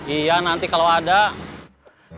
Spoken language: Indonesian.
iya nanti kalau ada maka dia boleh berpengaruh